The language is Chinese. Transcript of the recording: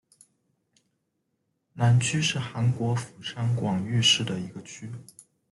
南区是韩国釜山广域市的一个区。